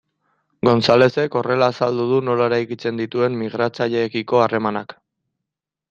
Gonzalezek horrela azaldu du nola eraikitzen dituen migratzaileekiko harremanak.